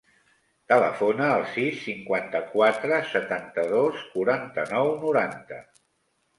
Telefona al sis, cinquanta-quatre, setanta-dos, quaranta-nou, noranta.